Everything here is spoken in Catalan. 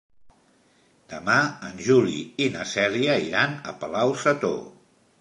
Demà en Juli i na Cèlia iran a Palau-sator.